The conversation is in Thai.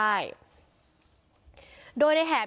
ทีมข่าวเราก็พยายามสอบปากคำในแหบนะครับ